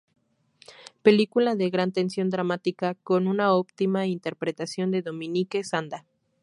Película de gran tensión dramática, con una óptima interpretación de Dominique Sanda.